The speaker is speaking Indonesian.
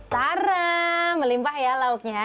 taraaa melimpah ya lauknya